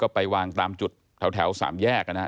ไปวางตามจุดแถว๓แยกนะครับ